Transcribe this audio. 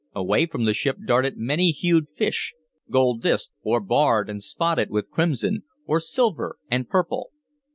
Away from the ship darted many hued fish, gold disked, or barred and spotted with crimson, or silver and purple.